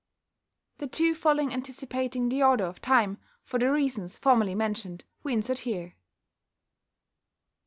The two following anticipating the order of time, for the reasons formerly mentioned, we insert here.